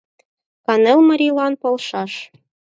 Кынел марийлан полшаш!..